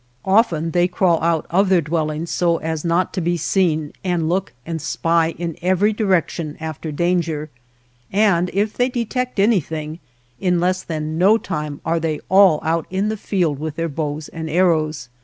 Often they crawl out of their dwellings so as not to be seen and look and spy in every direction after danger, and if they detect anything, in less than no time are they all out in the field with their bows and arrows.